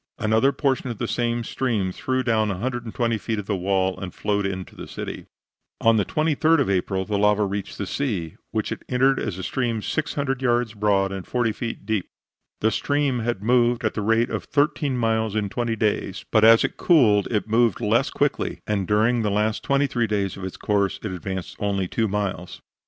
Another portion of the same stream threw down 120 feet of the wall and flowed into the city. On the 23d of April the lava reached the sea, which it entered as a stream 600 yards broad and 40 feet deep. The stream had moved at the rate of thirteen miles in twenty days, but as it cooled it moved less quickly, and during the last twenty three days of its course, it advanced only two miles.